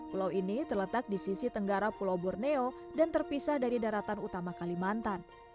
pulau ini terletak di sisi tenggara pulau borneo dan terpisah dari daratan utama kalimantan